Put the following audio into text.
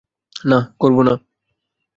না করবো না।